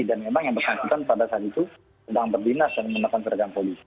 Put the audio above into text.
dan memang yang berkaitan pada saat itu sedang berdinas dan menemukan seragam polisi